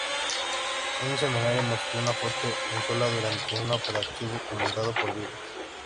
El semanario mostró una foto de Solá durante un operativo comandado por Vilas.